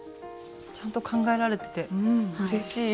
ちゃんと考えられててうれしい！